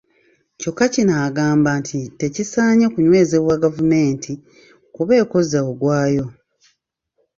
Kyokka kino agamba nti tekisaanye kunenyezebwa gavumenti kuba ekoze ogwayo.